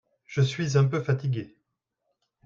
Je suis un peu fatigué.